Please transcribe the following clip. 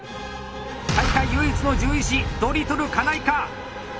大会唯一の獣医師ドリトル金井か？